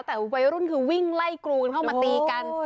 แต่วัยรุ่นคือวิ่งไล่กรูนเข้ามาตีกัน